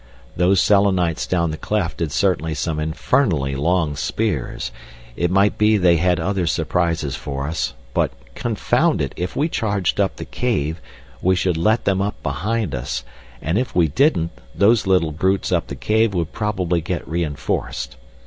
Those Selenites down the cleft had certainly some infernally long spears. It might be they had other surprises for us.... But, confound it! if we charged up the cave we should let them up behind us, and if we didn't those little brutes up the cave would probably get reinforced.